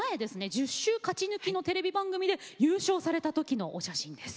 １０週勝ち抜きのテレビ番組で優勝された時のお写真です。